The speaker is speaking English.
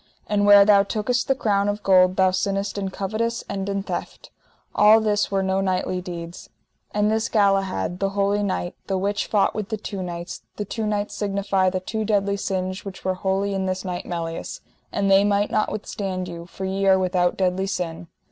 And where thou tookest the crown of gold thou sinnest in covetise and in theft: all this were no knightly deeds. And this Galahad, the holy knight, the which fought with the two knights, the two knights signify the two deadly sins which were wholly in this knight Melias; and they might not withstand you, for ye are without deadly sin.